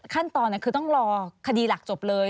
ขั้นตอนคือต้องรอคดีหลักจบเลย